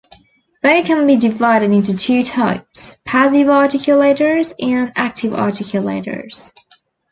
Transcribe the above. They can be divided into two types: passive articulators and active articulators.